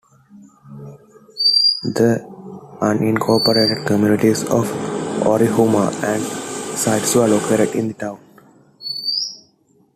The unincorporated communities of Orihula and Zittau are located in the town.